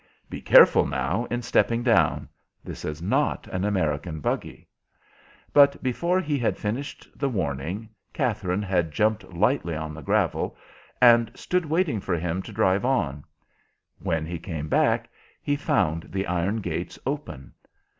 Be careful, now, in stepping down. This is not an American buggy," but before he had finished the warning, Katherine had jumped lightly on the gravel, and stood waiting for him to drive on. When he came back he found the iron gates open.